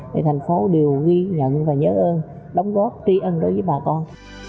thì thành phố đều ghi nhận và nhớ ơn đóng góp tri ân đối với bà con